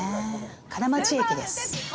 金町駅です。